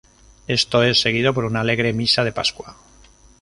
Esto es seguido por una alegre Misa de Pascua.